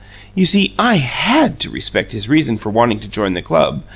You see, I HAD to respect his reason for wanting to join the club.